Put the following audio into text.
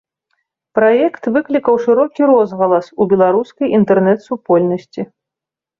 Праект выклікаў шырокі розгалас ў беларускай інтэрнэт-супольнасці.